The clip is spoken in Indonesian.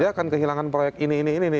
dia akan kehilangan proyek ini ini ini